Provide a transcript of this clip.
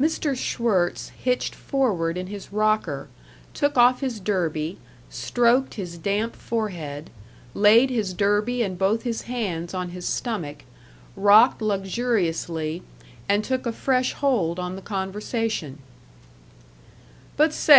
Mr. Schwirtz hitched forward in his rocker, took off his derby, stroked his damp forehead, laid his derby and both his hands on his stomach, rocked luxuriously, and took a fresh hold on the conversation: "But say!